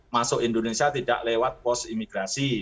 masuk indonesia tidak lewat pos imigrasi